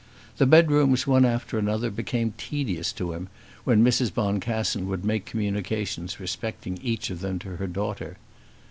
The bedrooms one after another became tedious to him when Mrs. Boncassen would make communications respecting each of them to her daughter.